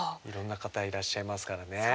いろんな方いらっしゃいますからね。